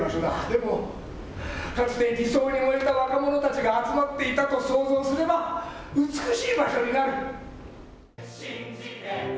でも、かつて理想に燃えた若者たちが集まっていたと想像すれば、美しい場所になる。